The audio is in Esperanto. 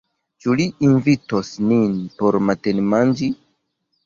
Ĉu li invitos nin por matenmanĝi?